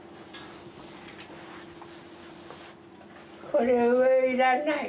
これ上いらない。